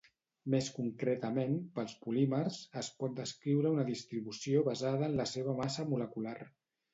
Més concretament, pels polímers, es pot descriure una distribució basada en la seva massa molecular.